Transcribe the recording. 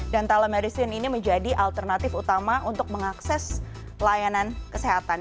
dan telemedicine ini menjadi alternatif utama untuk mengakses layanan kesehatan